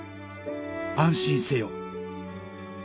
「安心せよ」